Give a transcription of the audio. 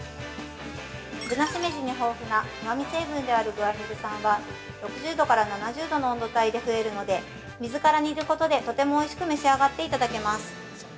◆ぶなしめじに豊富なうまみ成分であるグアニル酸は、６０度から７０度の温度帯で増えるので、水から煮ることで、とてもおいしく召し上がっていただけます。